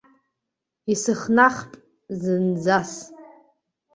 Исыхнахп зынӡас.